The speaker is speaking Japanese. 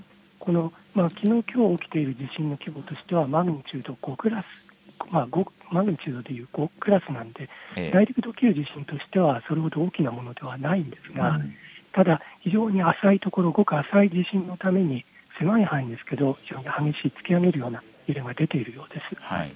きのう、きょう起きている地震の規模としてはマグニチュードでいう５クラスなので、内陸で起きる地震としてはそれほど大きなものではないんですがただ非常に浅いところ、ごく浅い地震のために狭い範囲ですが非常に激しい、突き上げるような揺れが出ているようです。